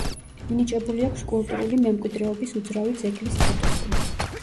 მინიჭებული აქვს კულტურული მემკვიდრეობის უძრავი ძეგლის სტატუსი.